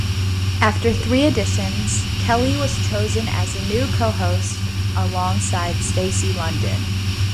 After three auditions, Kelly was chosen as the new co-host, alongside Stacy London.